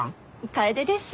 楓です。